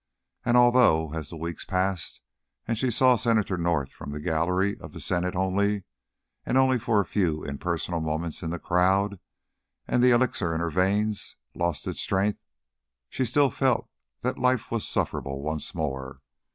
And although, as the weeks passed and she saw Senator North from the gallery of the Senate only, or for a few impersonal moments in the crowd, and the elixir in her veins lost its strength, still she felt that life was sufferable once more.